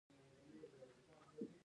دا د ولسمشر لخوا توشیح کیږي.